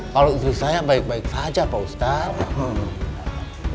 kalau istri saya baik baik saja pak ustadz